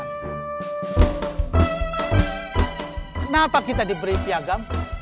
kenapa kita diberi piagam